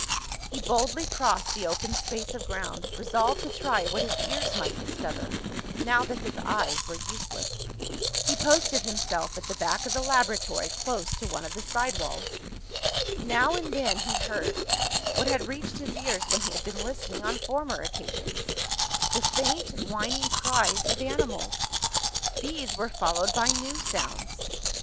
He boldly crossed the open space of ground, resolved to try what his ears might discover, now that his eyes were useless. He posted himself at the back of the laboratory, close to one of the side walls. Now and then, he heard what had reached his ears when he had been listening on former occasions the faint whining cries of animals. These were followed by new sounds.